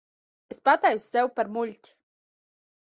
Es pataisu sevi par muļķi.